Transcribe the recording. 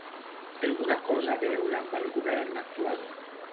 Té alguna cosa a veure amb el govern actual?